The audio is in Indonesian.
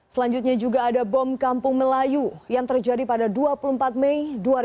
selanjutnya juga ada bom kampung melayu yang terjadi pada dua puluh empat mei dua ribu dua puluh